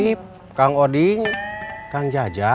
mata sekarang istirahatnya di dalam aja ya